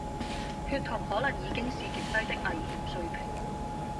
血糖可能已經是極低的危險水平